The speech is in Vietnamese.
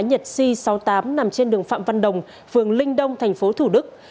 nhật c sáu mươi tám nằm trên đường phạm văn đồng phường linh đông tp thủ đức